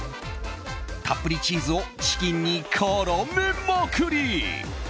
たっぷりチーズをチキンに絡めまくり。